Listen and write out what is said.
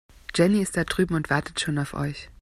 Jenny ist da drüben und wartet schon auf euch.